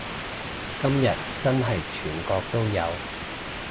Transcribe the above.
今日真係全國都有